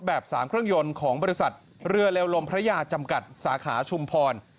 ๓เครื่องยนต์ของบริษัทเรือเร็วลมพระยาจำกัดสาขาชุมพร